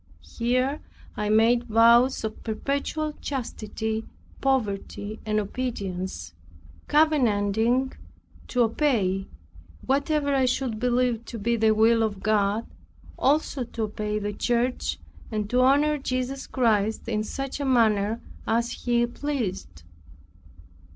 Here I made vows of perpetual chastity, poverty and obedience, covenanting to obey whatever I should believe to be the will of God also to obey the church, and to honor Jesus Christ in such a manner as He pleased.